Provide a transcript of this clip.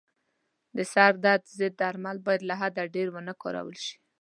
د سردرد ضد درمل باید له حده ډېر و نه کارول شي.